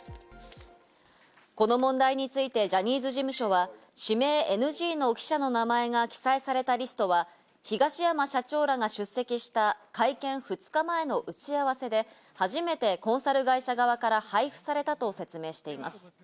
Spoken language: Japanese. この問題についてジャニーズ事務所は指名ＮＧの記者の名前が記載されたリストは、東山社長らが出席した会見２日前の打ち合わせで初めて、コンサル会社側から配布されたと説明しています。